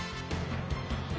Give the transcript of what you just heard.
え！